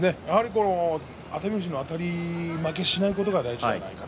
熱海富士にあたり負けしないことが大事ですね。